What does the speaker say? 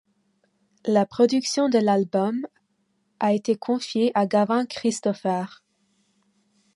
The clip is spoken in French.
La production de l'album a été confiée à Gavin Christopher.